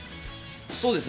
そうですね。